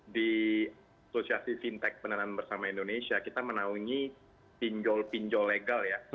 di asosiasi fintech penerangan bersama indonesia kita menaungi pinjol pinjol legal ya